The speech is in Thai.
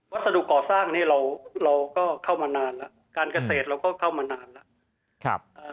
สรุปก่อสร้างนี้เราก็เข้ามานานแล้วการเกษตรเราก็เข้ามานานแล้ว